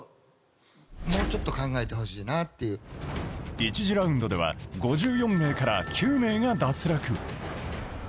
１次ラウンドでは、５４名から９名が脱落。